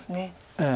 ええ。